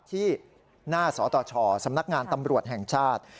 ที่หน้าสตชสำนักงานตำรวจแห่งชาติ